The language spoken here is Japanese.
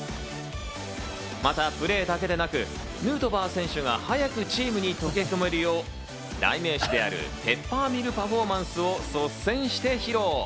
またプレーだけでなく、ヌートバー選手が早くチームに溶け込めるよう、代名詞であるペッパーミルパフォーマンスを率先して披露。